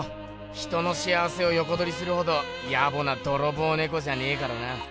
人の幸せをよこどりするほどやぼな泥棒ねこじゃねえからな。